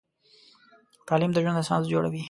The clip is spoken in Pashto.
تعلیم د ژوند اساس جوړوي.